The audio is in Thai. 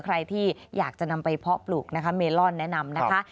ใครที่อยากจะนำไปเพาะปลูกนะคะเมลอนแนะนำนะคะ